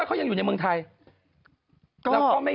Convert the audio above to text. เขายังอยู่ในเมืองไทย